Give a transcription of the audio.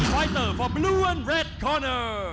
ไฟเตอร์เพื่อปุ๋ยโฟร์แมน